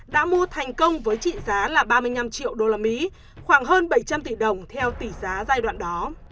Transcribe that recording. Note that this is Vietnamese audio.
đã mua thành công với trị giá là ba mươi năm triệu đô la mỹ khoảng hơn bảy trăm linh tỷ đồng theo tỷ giá giai đoạn đó